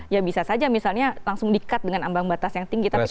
ya bisa saja misalnya langsung di cut dengan ambang batas yang tinggi tapi